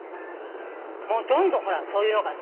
もうどんどんそういうのがさ。